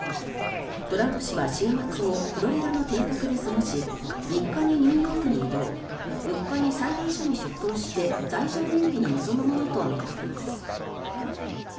トランプ氏は週末をフロリダの邸宅で過ごし３日にニューヨークに移動４日に裁判所に出頭して罪状認否に臨むものとみられています。